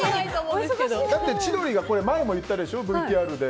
だって千鳥が前も言ったでしょ、ＶＴＲで。